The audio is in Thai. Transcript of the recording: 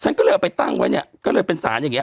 ก็เลยเอาไปตั้งไว้เนี่ยก็เลยเป็นสารอย่างเง